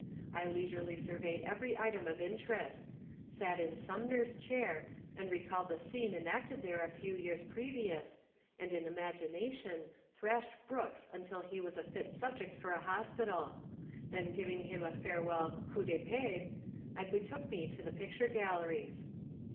I leisurely surveyed every item of interest sat in Sumner's chair, and recalled the scene enacted there a few years previous, and in imagination thrashed Brooks until he was a fit subject for a hospital then giving him a farewell coup de pied, I betook me to the picture galleries.